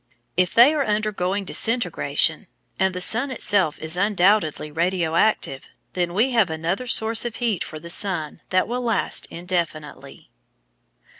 If they are undergoing disintegration and the sun itself is undoubtedly radio active then we have another source of heat for the sun that will last indefinitely.